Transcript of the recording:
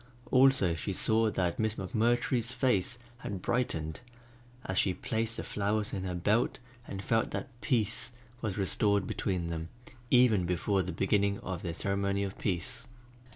Also she saw that Miss McMurtry's face had brightened, as she placed the flowers in her belt and felt that peace was restored between them even before the beginning of their ceremony of peace.